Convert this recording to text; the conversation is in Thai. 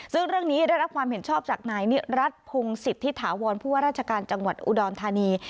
ซึ่งเรื่องนี้ได้รับความเห็นชอบจากนายนิรัติพงศิษฐิถาวรผู้ว่าราชการจังหวัดอุดรธานี